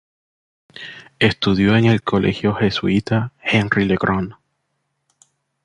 Estudió en el colegio jesuita Henry Le Grand.